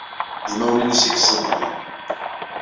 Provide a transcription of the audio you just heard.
D imawlan-is i yesseḍlem.